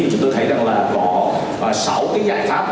chúng tôi thấy rằng là có sáu cái giải pháp